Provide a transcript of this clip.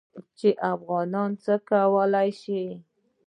چې افغانان څه کولی شي.